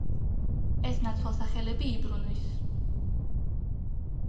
ეს ნაცვალსახელები იბრუნვის.